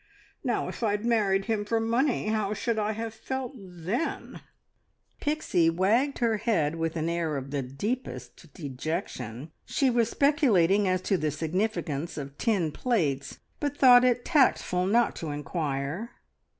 Now, if I'd married him for money, how should I have felt then?" Pixie wagged her head with an air of the deepest dejection. She was speculating as to the significance of tin plates, but thought it tactful not to inquire.